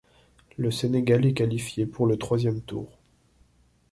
Le Sénégal est qualifié pour le troisième tour.